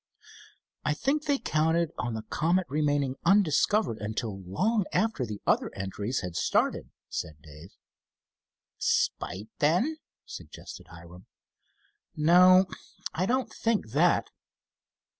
"I think they counted on the Comet remaining undiscovered until long after the other entries had started," said Dave. "Spite, then?" suggested Hiram. "No, I don't think that."